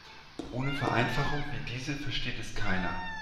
Ohne Vereinfachungen wie diese versteht es keiner.